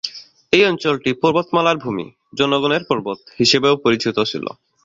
এই অঞ্চলটি "পর্বতমালার ভূমি" "জনগণের পর্বত" হিসেবেও পরিচিত ছিল।